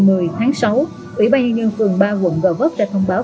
ủy ban nhân dân phường ba quận gò vấp đã thông báo